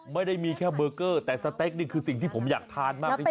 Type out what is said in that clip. ไม่ได้มีแค่เบอร์เกอร์แต่สเต็กนี่คือสิ่งที่ผมอยากทานมากจริง